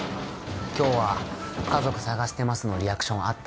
今日は家族探してますのリアクションあった？